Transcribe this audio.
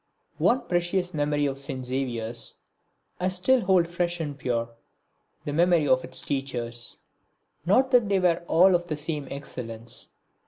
One precious memory of St. Xavier's I still hold fresh and pure the memory of its teachers. Not that they were all of the same excellence.